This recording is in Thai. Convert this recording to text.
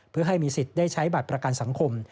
เพื่อให้มีสิทธิ์ได้ใช้บัตรประกันสังคม